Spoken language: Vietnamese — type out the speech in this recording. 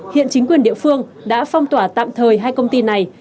hiện chính quyền địa phương đã phong tỏa tạm thời hai công ty này